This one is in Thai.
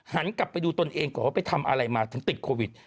กลับไปดูตนเองก่อนว่าไปทำอะไรมาถึงติดโควิด